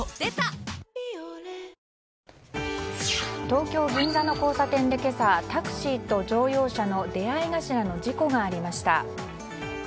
東京・銀座の交差点で今朝タクシーと乗用車の出合い頭の事故がありました。